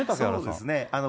そうですね。